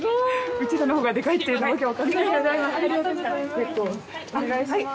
うちらのほうがでかいっていうの訳分かんないよねありがとうございます